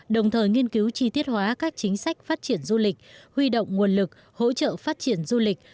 đồng thời nghiên cứu chi tiết hóa các chính sách phát triển du lịch huy động nguồn lực hỗ trợ phát triển du lịch